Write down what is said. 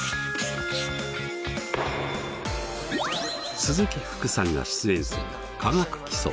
鈴木福さんが出演する「化学基礎」。